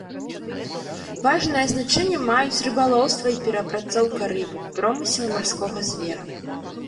Важнае значэнне маюць рыбалоўства і перапрацоўка рыбы, промысел марскога звера.